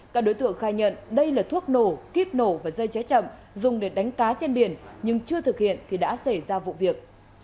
các đối tượng khai nhận đây là thuốc nổ kiếp nổ và dây cháy chậm dùng để đánh cá trên biển nhưng chưa thực hiện thì đã xảy ra vụ việc